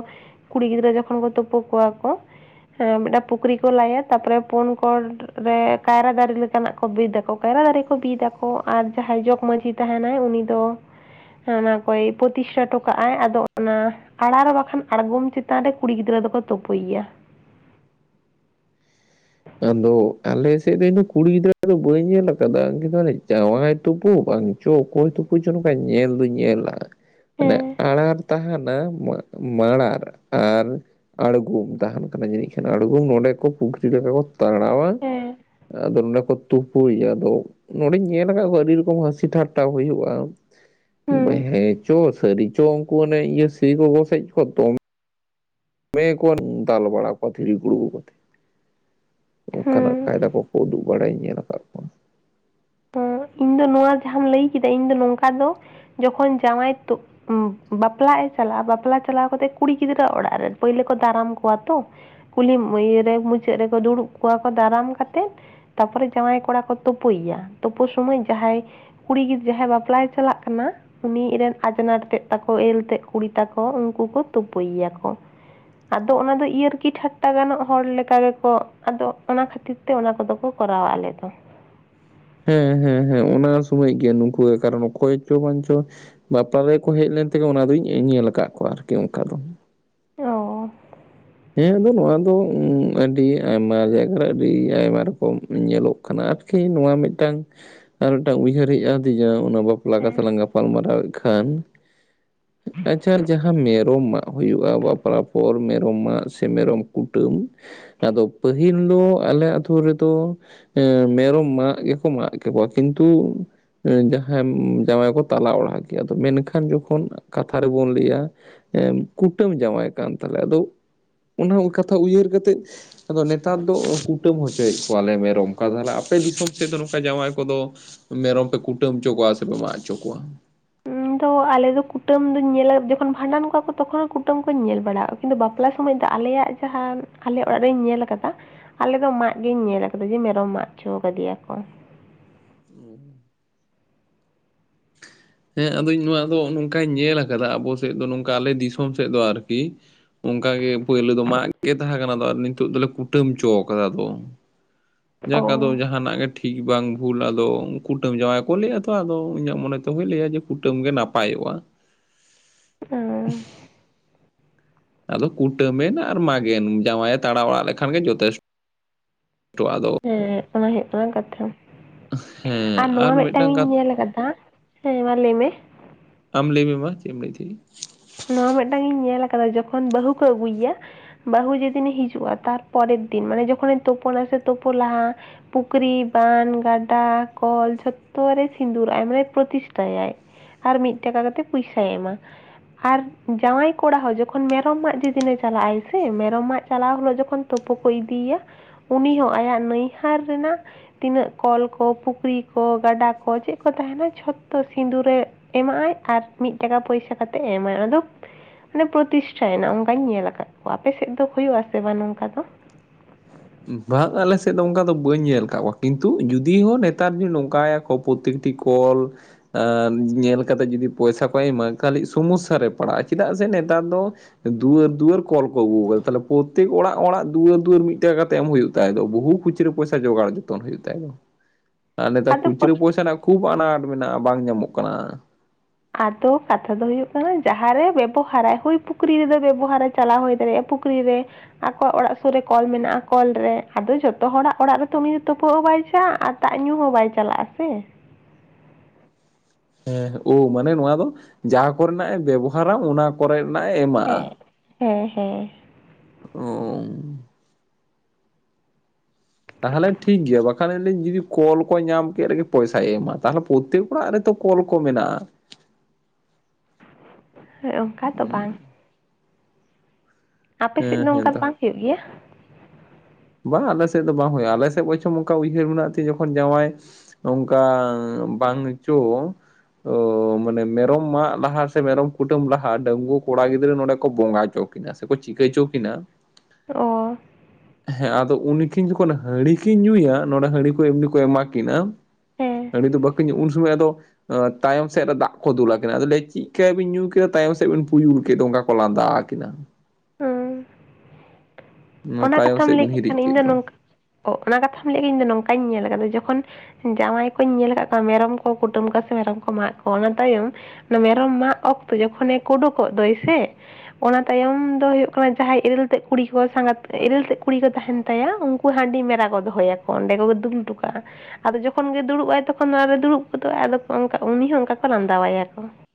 ᱠᱩᱲᱤ ᱜᱤᱫᱽᱨᱟᱹ ᱡᱚᱠᱷᱚᱱ ᱠᱚ ᱛᱳᱯᱳ ᱠᱚᱣᱟ ᱠᱚ ᱦᱮᱸ ᱢᱮᱜᱴᱟᱜ ᱯᱩᱠᱷᱨᱤ ᱠᱚ ᱞᱟᱭᱟ ᱛᱟᱯᱚᱨᱮ ᱯᱳᱱ ᱠᱚᱲ ᱨᱮ ᱠᱟᱭᱨᱟ ᱫᱟᱨᱤ ᱞᱮᱠᱟᱱᱟᱜ ᱠᱚ ᱵᱤᱫᱟᱠᱚ ᱠᱟᱭᱨᱟ ᱫᱟᱨᱮ ᱠᱚ ᱵᱤᱫᱟᱠᱚ ᱟᱨ ᱡᱟᱦᱟᱸᱭ ᱡᱚᱜᱽ ᱢᱟᱺᱡᱷᱤ ᱛᱟᱦᱮᱱᱟᱭ ᱩᱱᱤ ᱫᱚ ᱦᱮᱸ ᱚᱱᱟ ᱠᱚᱭ ᱯᱚᱛᱤᱥᱴᱷᱟ ᱴᱚ ᱠᱟᱜ ᱟᱭ ᱟᱫᱚ ᱚᱱᱟ ᱟᱲᱟᱨ ᱵᱟᱠᱷᱟᱱ ᱟᱲᱜᱚᱢ ᱪᱮᱛᱟᱱ ᱨᱮ ᱠᱩᱲᱤ ᱜᱤᱫᱽᱨᱟᱹ ᱫᱚᱠᱚ ᱛᱳᱯᱳᱭ ᱭᱟ᱾ ᱟᱫᱚ ᱟᱞᱮ ᱥᱮᱜ ᱨᱮᱱ ᱦᱚᱸ ᱠᱩᱲᱤ ᱜᱤᱫᱽᱨᱟᱹ ᱫᱚ ᱵᱟᱹᱧ ᱧᱮᱞ ᱠᱟᱫᱟ ᱠᱤᱱᱛᱩ ᱚᱱᱮ ᱡᱟᱶᱟᱭ ᱛᱩᱯᱩ ᱵᱟᱝ ᱪᱚ ᱚᱠᱚᱭ ᱛᱩᱯᱩ ᱪᱚ ᱱᱚᱝᱠᱟᱧ ᱧᱮᱞ ᱫᱩᱧ ᱧᱮᱞᱜ-ᱟ ᱢᱟᱱᱮ ᱦᱮᱸ ᱟᱸᱲᱟᱨ ᱛᱟᱦᱮᱱᱟ ᱢᱟ ᱢᱟᱸᱲᱟᱨ ᱟᱨ ᱟᱲᱜᱳᱢ ᱛᱟᱦᱮᱱ ᱠᱟᱱᱟ ᱡᱟᱹᱱᱤᱡ ᱠᱷᱟᱱ ᱟᱲᱜᱳᱢ ᱱᱚᱸᱰᱮ ᱠᱚ ᱯᱩᱠᱷᱨᱤ ᱞᱮᱠᱟ ᱠᱚ ᱛᱟᱲᱟᱣ-ᱟ ᱦᱮᱸ ᱟᱫᱚ ᱱᱚᱸᱰᱮ ᱠᱚ ᱛᱩᱯᱩᱭᱟᱫᱚ ᱱᱚᱰᱮᱧ ᱧᱮᱞ ᱟᱠᱟᱜ ᱠᱚᱣᱟ ᱟᱹᱰᱤ ᱨᱚᱠᱚᱢ ᱦᱟᱹᱥᱤ ᱴᱷᱟᱴᱴᱟ ᱦᱩᱭᱩᱜ-ᱟ, ᱦᱩᱸ ᱵᱟᱹᱧ ᱦᱮᱸ ᱪᱚ ᱥᱟᱹᱨᱤ ᱪᱚ ᱩᱝᱠᱩ ᱚᱱᱮ ᱤᱭᱟᱹ ᱥᱤ ᱠᱚ ᱜᱚᱥᱮᱪ ᱠᱚᱣᱟ ᱛᱚ ᱢᱮ ᱠᱚ ᱫᱟᱞ ᱵᱟᱲᱟ ᱠᱚᱣᱟ ᱫᱷᱤᱨᱤ ᱜᱩᱲᱜᱩ ᱠᱚᱛᱮ ᱚᱝᱠᱟᱱᱟᱜ ᱦᱩᱸ ᱠᱟᱭᱫᱟ ᱠᱚᱠᱚ ᱩᱫᱩᱜ ᱵᱟᱲᱟᱧ ᱧᱮᱞ ᱠᱟᱫ ᱠᱚᱣᱟ᱾ ᱚᱸ ᱤᱧ ᱫᱚ ᱱᱚᱣᱟ ᱡᱟᱦᱟᱸᱢ ᱞᱟᱹᱭ ᱠᱮᱫᱟ ᱤᱧ ᱫᱚ ᱱᱚᱝᱠᱟ ᱫᱚ ᱡᱚᱠᱷᱚᱱ ᱡᱟᱶᱟᱭ ᱛᱳ ᱩ ᱵᱟᱯᱞᱟᱜ ᱮ ᱪᱟᱞᱟᱜ-ᱟ ᱵᱟᱯᱞᱟ ᱪᱟᱞᱟᱣ ᱠᱟᱛᱮᱜ ᱠᱩᱲᱤ ᱜᱤᱫᱽᱨᱟᱹ ᱚᱲᱟᱜ ᱨᱮ ᱯᱟᱹᱭᱞᱟᱹ ᱠᱚ ᱫᱟᱨᱟᱢ ᱠᱚᱣᱟ ᱛᱚ, ᱠᱩᱞᱦᱤ ᱢᱟᱹᱭᱟᱹ ᱨᱮ ᱢᱩᱪᱟᱹᱜ ᱨᱮᱠᱚ ᱫᱩᱲᱩᱵ ᱠᱚᱣᱟ ᱠᱚ ᱫᱟᱨᱟᱢ ᱠᱟᱛᱮᱫ ᱛᱟᱯᱚᱨᱮ ᱡᱟᱸᱶᱟᱭ ᱠᱚᱲᱟ ᱠᱚ ᱛᱳᱯᱳᱭ ᱭᱟ ᱛᱳᱯᱳ ᱥᱚᱢᱚᱭ ᱡᱟᱦᱟᱸᱭ ᱠᱩᱲᱤ ᱜᱤᱫ ᱡᱟᱦᱟᱸᱭ ᱵᱟᱯᱞᱟᱭ ᱪᱟᱞᱟᱜ ᱠᱟᱱᱟ, ᱩᱱᱤ ᱨᱮᱱ ᱟᱡᱱᱟᱨ ᱛᱮᱫ ᱛᱟᱠᱚ ᱮᱨᱮᱞ ᱛᱮᱫ ᱠᱩᱲᱤ ᱛᱟᱠᱚ ᱩᱝᱠᱩ ᱠᱚ ᱛᱳᱯᱳᱭ ᱭᱟᱠᱚ᱾ ᱟᱫᱚ ᱚᱱᱟ ᱫᱚ ᱤᱭᱟᱹᱨᱠᱤ ᱴᱷᱟᱴᱴᱟ ᱜᱟᱱᱚᱜ ᱦᱚᱲ ᱞᱮᱠᱟ ᱜᱮᱠᱚ ᱟᱫᱚ ᱚᱱᱟ ᱠᱷᱟᱹᱛᱤ ᱛᱮ ᱚᱱᱟ ᱠᱚᱫᱚ ᱠᱚ ᱠᱚᱨᱟᱣᱟ ᱟᱞᱮ ᱫᱚ᱾ ᱦᱮᱸ ᱦᱮᱸ ᱦᱮᱸ ᱚᱱᱟ ᱥᱩᱢᱚᱭ ᱜᱮ ᱱᱩᱠᱩ ᱜᱮ ᱠᱟᱨᱚᱱ ᱚᱠᱚᱭ ᱪᱚ ᱵᱟᱧᱪᱚ ᱵᱟᱯᱞᱟ ᱨᱮ ᱠᱚ ᱦᱮᱡ ᱞᱮᱱ ᱛᱮᱜᱮ ᱚᱱᱟ ᱫᱩᱧ ᱤᱧ ᱧᱮᱞ ᱠᱟᱜ ᱠᱚᱣᱟ ᱟᱨᱠᱤ ᱚᱝᱠᱟ ᱫᱚ᱾ ᱚᱸ ᱦᱮᱸ ᱟᱫᱚ ᱱᱚᱣᱟ ᱫᱚ ᱟᱹᱰᱤ ᱟᱭᱢᱟ ᱡᱟᱭᱜᱟ ᱨᱮ ᱟᱹᱰᱤ ᱟᱭᱢᱟ ᱨᱚᱠᱚᱢ ᱧᱮᱞᱚᱜ ᱠᱟᱱᱟ ᱟᱨᱠᱤ ᱱᱚᱣᱟ ᱢᱤᱜᱴᱟᱝ ᱟᱨ ᱢᱤᱜᱴᱟᱝ ᱩᱭᱦᱟᱹᱨ ᱦᱮᱡ ᱟᱹᱫᱤᱧᱟ ᱚᱱᱟ ᱵᱟᱯᱞᱟ ᱦᱮᱸ ᱠᱟᱛᱷᱟ ᱞᱟᱝ ᱜᱟᱯᱟ ᱯᱟᱞᱢᱟᱨᱟᱣᱮᱜ ᱠᱷᱟᱱ, ᱟᱪᱪᱷᱟ ᱡᱟᱦᱟᱸ ᱢᱮᱨᱚᱢ ᱢᱟᱜ ᱦᱩᱭᱩᱜ-ᱟ ᱵᱟᱯᱞᱟ ᱯᱚᱨ ᱢᱮᱨᱚᱢ ᱢᱟᱜ ᱥᱮ ᱢᱮᱨᱚᱢ ᱠᱩᱴᱟᱹᱢ ᱟᱫᱚ ᱯᱟᱹᱦᱤᱞ ᱫᱚ ᱟᱞᱮ ᱟᱛᱩ ᱨᱮᱫᱚ ᱮᱸ ᱢᱮᱨᱚᱢ ᱢᱟᱜ ᱜᱮᱠᱚ ᱢᱟᱜ ᱠᱮᱠᱚᱣᱟ ᱠᱤᱱᱛᱩ ᱮᱸ ᱡᱟᱦᱟᱸᱢ ᱡᱟᱶᱟᱭ ᱠᱚ ᱛᱟᱞᱟ ᱚᱲᱟᱜ ᱠᱮᱭᱟ ᱛᱚ ᱢᱮᱱᱠᱷᱟᱱ ᱡᱚᱠᱷᱚᱱ ᱠᱟᱛᱷᱟ ᱨᱮ ᱵᱚᱱ ᱞᱟᱹᱭᱟ ᱮᱢ ᱠᱩᱴᱟᱹᱢ ᱡᱟᱶᱟᱭ ᱠᱟᱱ ᱛᱟᱞᱮᱭᱟ ᱟᱫᱚ ᱚᱱᱟ ᱩ ᱠᱟᱛᱷᱟ ᱩᱭᱦᱟᱹᱨ ᱠᱟᱛᱮᱫ ᱟᱫᱚ ᱱᱮᱛᱟᱨ ᱫᱚ ᱠᱩᱴᱟᱹᱢ ᱦᱚᱪᱚᱭᱮᱜ ᱠᱚᱣᱟᱞᱮ ᱢᱮᱨᱚᱢ ᱠᱟ ᱛᱟᱦᱞᱮ ᱟᱯᱮ ᱫᱤᱥᱚᱢ ᱥᱮᱫ ᱫᱚ ᱱᱚᱠᱟ ᱡᱟᱶᱟᱭ ᱠᱚᱫᱚ ᱢᱮᱨᱚᱢ ᱯᱮ ᱠᱩᱴᱟᱹᱢ ᱪᱚ ᱠᱚᱣᱟ ᱥᱮᱯᱮ ᱢᱟᱜ ᱪᱚ ᱠᱚᱣᱟ? ᱤᱧ ᱫᱚ ᱟᱞᱮ ᱫᱚ ᱠᱩᱴᱟᱹᱢ ᱫᱩᱧ ᱧᱮᱞᱮᱫ ᱡᱚᱠᱷᱚᱱ ᱵᱷᱟᱸᱰᱟᱱ ᱠᱚᱣᱟ ᱠᱚ ᱛᱚᱠᱷᱚᱱ ᱠᱩᱴᱟᱹᱢ ᱠᱚᱧ ᱧᱮᱞ ᱵᱟᱲᱟ ᱠᱤᱱᱛᱩ ᱵᱟᱯᱞᱟ ᱥᱚᱢᱚᱭ ᱫᱚ ᱟᱞᱮᱭᱟᱜ- ᱡᱟᱦᱟᱸ ᱟᱞᱮ ᱚᱲᱟᱜ ᱨᱤᱧ ᱧᱮᱞ ᱠᱟᱫᱟ, ᱟᱞᱮ ᱫᱚ ᱢᱟᱜ ᱜᱮᱧ ᱧᱮᱞ ᱠᱟᱫᱟ ᱡᱮ ᱢᱮᱨᱚᱢ ᱢᱟᱜ ᱪᱚ ᱠᱟᱫᱮᱭᱟ ᱠᱚ᱾ [inaudible] [inaudible] ᱦᱮᱸ ᱟᱫᱩᱧ ᱱᱚᱣᱟ ᱫᱚ ᱱᱚᱝᱠᱟᱧ ᱧᱮᱞ ᱠᱟᱫᱟ ᱟᱵᱚ ᱥᱮᱫ ᱫᱚ ᱱᱚᱝᱠᱟ ᱟᱞᱮ ᱫᱤᱥᱚᱢ ᱥᱮᱫ ᱫᱚ ᱟᱨᱠᱤ ᱚᱝᱠᱟ ᱜᱮ ᱯᱳᱭᱞᱳ ᱫᱚ ᱢᱟᱜᱽ ᱜᱮ ᱛᱟᱦᱮᱸ ᱠᱟᱱᱟ ᱟᱫᱚ ᱱᱤᱛᱳᱜ ᱫᱚᱞᱮ ᱠᱩᱴᱟᱹᱢ ᱪᱚ ᱣᱟᱠᱟᱫᱟ ᱟᱫᱚ᱾ ᱚ ᱡᱟᱠ ᱟᱫᱚ ᱡᱟᱦᱟᱱᱟᱜ ᱜᱮ ᱴᱷᱤ ᱴᱷᱤᱠ ᱵᱟᱝ ᱵᱷᱩᱞ ᱟᱫᱚ ᱠᱩᱴᱟᱹᱢ ᱡᱟᱶᱟᱭ ᱠᱚ ᱞᱟᱹᱭᱟ ᱛᱚ ᱟᱫᱚ ᱤᱧᱟᱹᱜ ᱢᱚᱱᱮ ᱛᱮ ᱦᱩᱭ ᱞᱟᱹᱭᱟ ᱡᱮ ᱠᱩᱴᱟᱹᱢ ᱜᱮ ᱱᱟᱯᱟᱭᱚᱜ-ᱟ᱾ ᱚᱸ ᱟᱫᱚ ᱠᱩᱴᱟᱹᱢᱮᱱ ᱟᱨ ᱢᱟᱜᱮᱱ ᱡᱟᱶᱟᱭᱮ ᱛᱟᱲᱟ ᱚᱲᱟᱜ ᱞᱮᱠᱷᱟᱱ ᱜᱮ ᱡᱚᱛᱮᱥᱴᱚ ᱟᱫᱚ, ᱦᱮᱸ ᱚᱱᱟ ᱦᱩᱭᱩᱜ ᱠᱟᱱᱟ ᱠᱟᱛᱷᱟ᱾ ᱦᱮᱸ ᱟᱨ ᱱᱚᱣᱟ ᱢᱤᱫ ᱴᱟᱝ ᱢᱤᱫᱴᱟᱝ ᱤᱧ ᱠᱟᱛᱷᱟ ᱧᱮᱞ ᱟᱠᱟᱫᱟ ᱦᱮᱸ ᱢᱟ ᱞᱟᱹᱭ ᱢᱮ᱾ ᱟᱢ ᱞᱟᱹᱭ ᱢᱮ ᱢᱟ ᱪᱮ ᱮᱢ ᱞᱟᱹᱭᱮ ᱛᱟᱸᱦᱮ᱾ ᱱᱚᱣᱟ ᱢᱤᱫ ᱴᱟᱝ ᱤᱧ ᱧᱮᱞ ᱟᱠᱟᱫᱟ, ᱡᱚᱠᱷᱚᱱ ᱵᱟᱹᱦᱩ ᱠᱚ ᱟᱹᱜᱩᱭᱮᱭᱟ᱾ ᱵᱟᱹᱦᱩ ᱡᱮᱫᱤᱱᱮ ᱦᱤᱡᱩᱜᱼᱟ ᱛᱟᱨᱯᱚᱨᱮᱨ ᱫᱤᱱ ᱢᱟᱱᱮ ᱡᱚᱠᱷᱚᱱᱮ ᱛᱳᱯᱳᱱᱟ ᱥᱮ ᱛᱳᱯᱳ ᱞᱟᱦᱟ᱾ ᱯᱩᱠᱷᱨᱤ ᱵᱟᱸᱫᱷ ᱜᱟᱰᱟ ᱠᱚᱞ ᱡᱷᱚᱛᱚ ᱨᱮ ᱥᱤᱫᱩᱨᱟᱜᱼᱟᱭ ᱢᱟᱱᱮ ᱯᱨᱚᱛᱤᱥᱴᱷᱟᱭᱟᱭ᱾ ᱟᱨ ᱢᱤᱫ ᱴᱟᱠᱟ ᱠᱟᱛᱮᱫ ᱯᱩᱭᱥᱟᱭ ᱮᱢᱟ᱾ ᱟᱨ ᱡᱟᱶᱟᱭ ᱠᱚᱲᱟ ᱦᱚᱸ ᱡᱚᱠᱷᱚᱱ ᱢᱮᱨᱚᱢ ᱢᱟᱜ ᱡᱮ ᱫᱤᱱᱮ ᱪᱟᱞᱟᱜᱼᱟᱭ ᱥᱮ ᱢᱮᱨᱚᱢ ᱢᱟᱜ ᱪᱟᱞᱟᱣ ᱦᱤᱞᱳᱜ ᱡᱚᱠᱷᱚᱱ ᱛᱳᱯᱳ ᱠᱚ ᱤᱫᱤᱭᱮᱭᱟ ᱩᱱᱤ ᱦᱚᱸ ᱟᱭᱟᱜ ᱱᱟᱹᱭᱦᱟᱨ ᱨᱮᱱᱟᱜ ᱛᱤᱱᱟᱹᱜ ᱠᱚᱞ ᱠᱚ ᱯᱩᱠᱷᱨᱤ ᱠᱚ ᱜᱟᱰᱟ ᱠᱚ ᱪᱮᱫ ᱠᱚ ᱛᱟᱦᱮᱱᱟ ᱡᱷᱚᱛᱚ ᱥᱤᱸᱫᱩ ᱨᱮ ᱮᱢᱟᱜ ᱟᱭ ᱟᱨ ᱢᱤᱫ ᱴᱟᱠᱟ ᱯᱚᱭᱥᱟ ᱠᱟᱛᱮᱫ ᱮᱢᱟᱭ ᱟᱫᱚ ᱢᱟᱱᱮ ᱯᱨᱚᱛᱤᱥᱴᱷᱟᱭ ᱮᱱᱟ ᱚᱱᱠᱟᱧ ᱧᱮᱞ ᱟᱠᱟᱫ ᱠᱚᱣᱟ᱾ ᱟᱯᱮ ᱥᱮᱫ ᱫᱚ ᱦᱩᱭᱩᱜ ᱟᱥᱮ ᱵᱟᱝ ᱱᱚᱝᱠᱟ ᱫᱚ᱾ ᱵᱟᱝ ᱟᱞᱮ ᱥᱮᱫ ᱫᱚ ᱚᱱᱠᱟ ᱫᱚ ᱵᱟᱹᱧ ᱧᱮᱞ ᱟᱠᱟ ᱠᱚᱣᱟ ᱠᱤᱱᱛᱩ ᱡᱩᱫᱤ ᱦᱚᱸ ᱱᱮᱛᱟᱨ [inaudible] ᱱᱚᱝᱠᱟᱭᱟ ᱠᱚ᱾ ᱯᱨᱚᱛᱮᱠᱴᱤ ᱠᱚᱞ ᱟᱸ ᱧᱮᱞ ᱠᱟᱛᱮᱫ ᱡᱩᱫᱤ ᱯᱚᱭᱥᱟ ᱠᱚᱭ ᱮᱢᱟ ᱠᱷᱟᱹᱞᱤ ᱥᱚᱢᱚᱥᱥᱟ ᱨᱮ ᱯᱟᱲᱟᱜᱼᱟ ᱪᱮᱫᱟᱜ ᱥᱮ ᱱᱮᱛᱟᱨ ᱫᱚ᱾ ᱫᱩᱣᱟᱹᱨ ᱫᱩᱣᱟᱹᱨ ᱠᱚᱞ ᱠᱚ ᱟᱹᱜᱩ ᱟᱠᱟᱫᱟ ᱛᱟᱦᱞᱮ ᱯᱚᱛᱛᱮᱠ ᱚᱲᱟᱜ ᱚᱲᱟᱜ ᱫᱩᱣᱟᱹᱨ ᱫᱩᱣᱟᱹᱨ ᱢᱤᱫ ᱴᱟᱠᱟ ᱠᱟᱛᱮ ᱮᱢ ᱦᱩᱭᱩᱜ ᱛᱟᱭ ᱫᱚ, ᱵᱩᱦᱩ ᱠᱷᱩᱪᱨᱟᱹ ᱯᱚᱭᱥᱟ ᱡᱚᱜᱟᱲ ᱡᱚᱛᱚᱱ ᱦᱩᱭᱩᱜ ᱛᱟᱭ ᱫᱚ ᱟᱨ ᱱᱮᱛᱟᱨ ᱟᱫᱚ ᱠᱷᱩᱪᱨᱟᱹ ᱯᱚᱭᱥᱟ ᱨᱮᱱᱟᱜ ᱠᱷᱩᱵ ᱟᱱᱟᱴ ᱢᱮᱱᱟᱜᱼᱟ ᱵᱟᱝ ᱧᱟᱢᱚᱜ ᱠᱟᱱᱟ᱾ ᱟᱫᱚ ᱠᱟᱛᱷᱟ ᱫᱚ ᱦᱩᱭᱩᱜ ᱠᱟᱱᱟ ᱡᱟᱸᱦᱟᱸ ᱨᱮ ᱵᱮᱵᱚᱦᱟᱨᱟᱭ ᱦᱩᱭ ᱯᱩᱠᱷᱨᱤ ᱨᱮᱫᱚ ᱵᱮᱵᱚᱦᱟᱨᱟ ᱪᱟᱞᱟᱣ ᱦᱚᱭ ᱫᱟᱲᱮᱜᱼᱟ᱾ ᱯᱩᱠᱷᱨᱤ ᱨᱮ᱾ ᱟᱠᱚᱣᱟᱜ ᱚᱲᱟᱜ ᱥᱩᱨ ᱨᱮ ᱠᱚᱞ ᱢᱮᱱᱟᱜᱼᱟ ᱠᱚᱞ ᱨᱮ ᱟᱫᱚ ᱡᱚᱛᱚ ᱦᱚᱲᱟᱜ ᱚᱲᱟᱜ ᱨᱮᱛᱚ ᱩᱱᱤ ᱫᱚ ᱛᱩᱯᱩᱜ ᱦᱚᱸ ᱵᱟᱭ ᱪᱟᱜᱼᱟ ᱟᱨ ᱫᱟᱜ ᱧᱩ ᱦᱚᱸ ᱵᱟᱭ ᱪᱟᱞᱟᱜᱼᱟ ᱥᱮ, ᱦᱮᱸ ᱳ ᱢᱟᱱᱮ ᱱᱚᱣᱟ ᱫᱚ ᱡᱟ ᱠᱚᱨᱮᱱᱟᱜ ᱮ ᱵᱮᱵᱚᱦᱟᱨᱟ ᱚᱱᱟ ᱠᱚᱨᱮᱱᱟᱜ ᱮ ᱮᱢᱟᱜᱼᱟ᱾ ᱦᱮᱸ ᱦᱮᱸ ᱦᱮᱸ᱾ ᱚ ᱛᱟᱦᱞᱮ ᱴᱷᱤᱠ ᱜᱮᱭᱟ, ᱵᱟᱠᱷᱟᱱ ᱤᱧ ᱡᱩᱫᱤ ᱠᱚᱞ ᱠᱚᱭ ᱧᱟᱢ ᱠᱮᱫ ᱨᱮᱜᱮ ᱯᱚᱭᱥᱟᱭ ᱮᱢᱟ ᱛᱟᱦᱚ ᱯᱚᱛᱛᱮᱠ ᱚᱲᱟᱜ ᱨᱮᱛᱚ ᱠᱚᱞ ᱠᱚ ᱢᱮᱱᱟᱜᱼᱟ᱾ ᱦᱮᱸ ᱚᱱᱠᱟ ᱫᱚ ᱵᱟᱝ᱾ ᱟᱯᱮ ᱥᱮᱫ ᱦᱮᱸ ᱫᱚ ᱦᱮᱸ ᱚᱱᱠᱟ ᱫᱚ ᱛᱚ ᱵᱟᱝ ᱦᱩᱭᱩᱜ ᱜᱮᱭᱟ? ᱵᱟᱝ ᱟᱞᱮ ᱥᱮᱫ ᱫᱚ ᱵᱟᱝ ᱦᱩᱭᱩᱜᱼᱟ, ᱟᱞᱮ ᱥᱮᱫ ᱵᱚᱪᱷᱚᱢ ᱱᱚᱝᱠᱟ ᱩᱭᱦᱟᱹᱨ ᱢᱮᱱᱟᱜ ᱛᱮ ᱡᱚᱠᱷᱚᱱ ᱡᱟᱶᱟᱭ ᱱᱚᱝᱠᱟ ᱵᱟᱝ ᱪᱳ ᱛᱳ ᱢᱟᱱᱮ ᱢᱮᱨᱚᱢ ᱢᱟᱜ ᱞᱟᱦᱟ ᱥᱮ ᱢᱮᱨᱚᱢ ᱠᱩᱴᱟᱹᱢ ᱞᱟᱦᱟ ᱰᱟᱸᱜᱩᱣᱟᱹ ᱠᱚᱲᱟ ᱜᱤᱫᱽᱨᱟᱹ ᱱᱚᱰᱮ ᱠᱚ ᱵᱚᱸᱜᱟ ᱚᱪᱚ ᱠᱤ ᱥᱮᱠᱚ ᱪᱤᱠᱷᱟᱹᱭ ᱪᱚ ᱠᱤᱱᱟ᱾ ᱚ ᱦᱮᱸ ᱟᱫᱚ ᱩᱱᱠᱤᱱ ᱡᱚᱠᱷᱚᱱ ᱦᱟᱺᱲᱤ ᱠᱤᱱ ᱧᱩᱭᱟ ᱱᱚᱰᱮ ᱦᱟᱺᱲᱤ ᱠᱚ ᱮᱢᱱᱤ ᱠᱚ ᱮᱢᱟ ᱠᱤᱱᱟ᱿ ᱦᱮᱸ ᱦᱟᱺᱲᱤ ᱫᱚ ᱵᱟᱠᱤᱱ ᱧᱩᱭᱟ ᱩᱱ ᱥᱚᱢᱚᱭ ᱟᱫᱚ ᱛᱟᱭᱚᱢ ᱥᱮᱫ ᱨᱮ ᱫᱟᱜ ᱠᱚ ᱫᱩᱞᱠᱤᱱᱟ ᱛᱟᱭᱚᱢ ᱥᱮᱫ ᱨᱮ ᱫᱟᱜ ᱠᱚ ᱫᱩᱞᱟ ᱠᱤᱱᱟ, ᱟᱫᱚ ᱞᱟᱹᱭᱼᱟ ᱪᱮᱫ ᱠᱟᱭᱟ ᱵᱤᱱ ᱧᱩ ᱠᱮᱫᱟ ᱛᱟᱭᱚᱢ ᱥᱮᱫ ᱵᱤᱱ ᱯᱩᱭᱩᱞ ᱠᱮᱫ ᱫᱚ ᱚᱱᱠᱟ ᱠᱚ ᱞᱟᱸᱫᱟ ᱟᱠᱤᱱᱟ᱾ ᱦᱩᱸ, ᱚᱱᱟ ᱛᱟᱭᱚᱢ ᱠᱟᱛᱷᱟᱢ ᱥᱮᱫ ᱞᱟᱹᱭ ᱵᱤᱱ ᱠᱮᱫ ᱦᱤᱨᱤᱡ ᱠᱷᱟᱱ ᱤᱧ ᱫᱚ ᱱᱚᱝᱠᱟ ᱚ ᱚᱱᱟ ᱠᱟᱛᱷᱟᱢ ᱞᱟᱹᱭ ᱤᱧᱫᱚ ᱱᱚᱝᱠᱟᱧ ᱧᱮᱞ ᱟᱠᱟᱫᱟ ᱡᱚᱠᱷᱚᱱ ᱡᱟᱶᱟᱭ ᱠᱚᱧ ᱧᱮᱞ ᱟᱠᱟᱫ ᱠᱚᱣᱟ ᱢᱮᱨᱚᱢ ᱠᱚ ᱠᱩᱴᱟᱹᱢ ᱠᱚ ᱥᱮ ᱢᱮᱨᱚᱢ ᱠᱚ ᱢᱟᱜ ᱠᱚᱣᱟ ᱚᱱᱟ ᱛᱟᱭᱚᱢ ᱢᱮᱨᱚᱢ ᱢᱟᱜ ᱚᱠᱛᱚ ᱡᱚᱠᱷᱚᱱᱮ ᱠᱩᱰᱩᱠᱚᱜ ᱫᱚᱭ ᱥᱮ ᱚᱱᱟ ᱛᱟᱭᱚᱢ ᱫᱚ ᱦᱩᱭᱩᱜ ᱠᱟᱱᱟ ᱡᱟᱸᱦᱟᱸᱭ ᱤᱨᱤᱞ ᱛᱮᱫ ᱠᱩᱲᱤ ᱠᱚ ᱥᱟᱸᱜᱟᱛ ᱤᱨᱤᱞ ᱛᱮᱫ ᱠᱩᱲᱤ ᱠᱚ ᱛᱟᱦᱮᱱ ᱛᱟᱭᱟ, ᱩᱱᱠᱩ ᱦᱟᱺᱰᱤ ᱢᱮᱨᱟ ᱠᱚ ᱫᱚᱦᱚᱭ ᱟᱠᱚ᱾ ᱚᱸᱰᱮ ᱠᱚᱜᱮ ᱫᱩᱞ ᱦᱚᱴᱚ ᱠᱟᱜᱼᱟ᱾ ᱟᱫᱚ ᱡᱚᱠᱷᱚᱱ ᱜᱮ ᱫᱩᱲᱩᱵ-ᱟᱭ ᱛᱚᱠᱷᱚᱱ ᱚᱱᱟ ᱨᱮ ᱫᱩᱲᱩᱵ ᱜᱚᱫᱚᱜᱼᱟ ᱟᱫᱚ ᱚᱱ ᱩᱱᱤ ᱦᱚᱸ ᱚᱱᱠᱟ ᱠᱚ ᱞᱟᱸᱫᱟᱣᱟᱭᱟ ᱠᱚ᱾